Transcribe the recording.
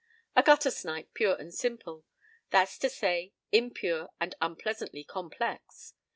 p> A guttersnipe, pure and simple. That's to say, impure and unpleasantly complex.